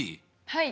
はい。